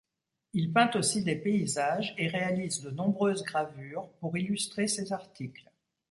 Il peint aussi des paysages et réalise de nombreuses gravures pour illustrer ses articles.